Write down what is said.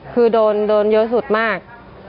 คือโดนเยอะสุดมาก